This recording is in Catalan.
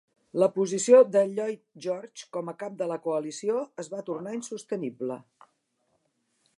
La posició de Lloyd George com a cap de la coalició es va tornar insostenible.